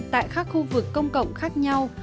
tại các khu vực công cộng khác nhau